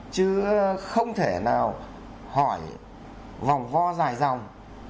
chứ không thể nào hỏi vòng vo dài dòng